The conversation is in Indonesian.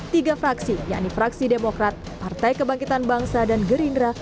tiga fraksi yakni fraksi demokrat partai kebangkitan bangsa dan gerindra